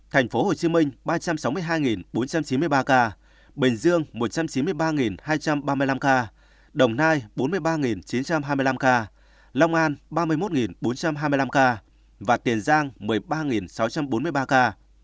tp hcm ba trăm sáu mươi hai bốn trăm chín mươi ba ca bình dương một trăm chín mươi ba hai trăm ba mươi năm ca đồng nai bốn mươi ba chín trăm hai mươi năm ca long an ba mươi một bốn trăm hai mươi năm ca và tiền giang một mươi ba sáu trăm bốn mươi ba ca